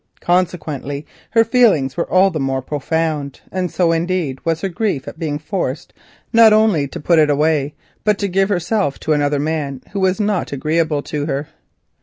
Consequently her feelings were all the more profound, and so indeed was her grief at being forced not only to put them away, but to give herself to another man who was not agreeable to her.